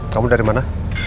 kamu dari mana